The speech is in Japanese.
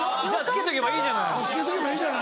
つけとけばいいじゃない。